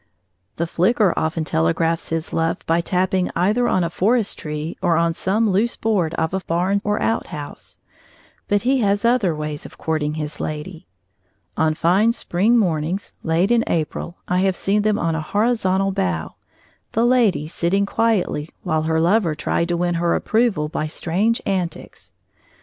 The flicker often telegraphs his love by tapping either on a forest tree or on some loose board of a barn or outhouse; but he has other ways of courting his lady. On fine spring mornings, late in April, I have seen them on a horizontal bough, the lady sitting quietly while her lover tried to win her approval by strange antics.